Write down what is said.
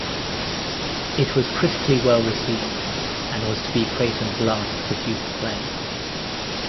It was critically well received and was to be Creighton's last produced play.